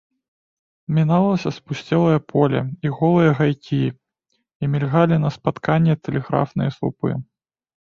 Міналася спусцелае поле і голыя гайкі, і мільгалі на спатканне тэлеграфныя слупы.